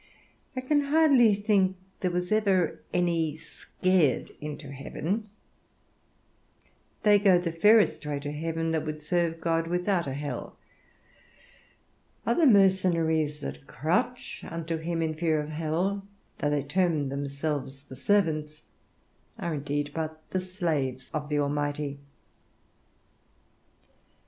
I can hardly think there was ever any scared into heaven; they go the fairest way to heaven that would serve God without a hell; other mercenaries, that crouch unto him in fear of hell, though they term themselves the servants, are indeed but the slaves of the Almighty.